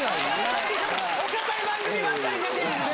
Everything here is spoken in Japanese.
最近お堅い番組ばっかり出てるんで。